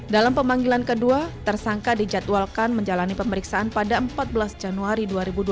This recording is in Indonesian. dalam pemanggilan kedua tersangka dijadwalkan menjalani pemeriksaan pada empat belas januari dua ribu dua puluh